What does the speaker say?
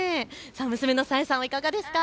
娘の沙恵さんはいかがですか。